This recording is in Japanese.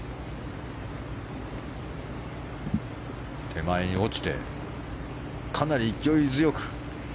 手前に落ちてかなり勢い強く。